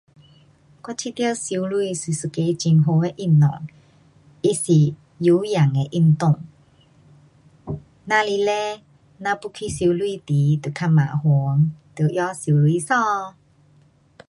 我觉得游泳是一个很好的运动，它是有氧的运动。只是嘞，咱要去游泳就较麻烦。得换游泳衣。